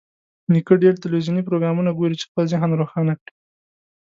نیکه ډېر تلویزیوني پروګرامونه ګوري چې خپل ذهن روښانه کړي.